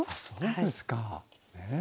そうですか。